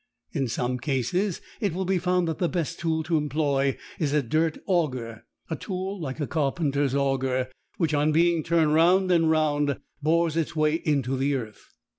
In some cases it will be found that the best tool to employ is a "dirt auger," a tool like a carpenter's auger, which on being turned round and round bores its way into the earth.